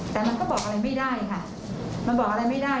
แต่มันก็บอกอะไรไม่ได้ค่ะมันบอกอะไรไม่ได้